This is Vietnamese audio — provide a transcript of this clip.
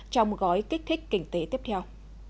trong gói kích thích kinh tế tiếp theo